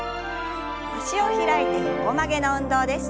脚を開いて横曲げの運動です。